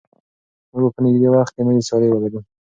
موږ به په نږدې وخت کې نوې سیالۍ ولرو.